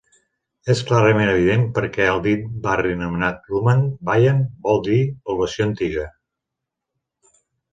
És clarament evident per què el dit barri anomenat Lumang Bayan vol dir població antiga.